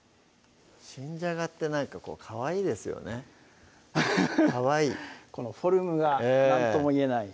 新じゃがってなんかかわいいですよねかわいいこのフォルムが何とも言えない